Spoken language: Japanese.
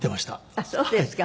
あっそうですか。